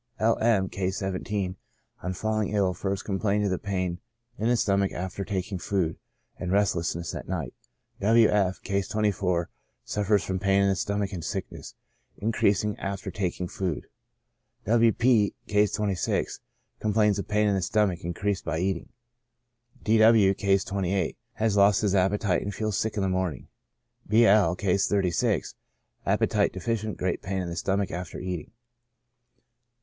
L, M —, (Case 17,) on falling ill, first complained of pain in the stomach after taking food, and restlessness at night. W". F —, (Case 24,) suffers from pain in the stomach and sick ness, increased after taking food. W, P —, (Case 26,) com plains of pain in the stomach, increased by eating. D. W —, (Case 28,) has lost his appetite, and feels sick in the morn ing. B. L —, (Case 36,) appetite deficient, great pain in the stomach after eating.